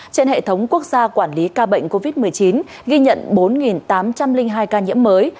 trên hệ thống quốc gia quản lý ca bệnh covid một mươi chín ghi nhận bốn tám trăm linh hai ca nhiễm mới